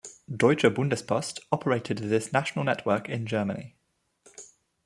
Deutsche Bundespost operated this national network in Germany.